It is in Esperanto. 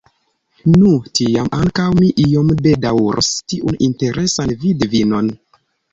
Nu, tiam ankaŭ mi iom bedaŭros tiun interesan vidvinon.